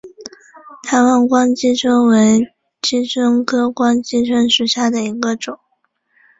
台湾光姬蝽为姬蝽科光姬蝽属下的一个种。